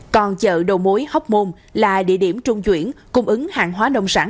còn chợ đầu mối hóc môn là địa điểm trung chuyển cung ứng hàng hóa nông sản